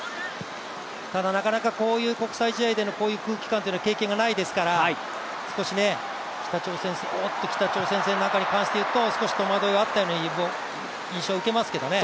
ただ、なかなかこういう国際試合での経験はないですから、北朝鮮戦などに関していうと、少し戸惑いがあったような印象を受けますけどね。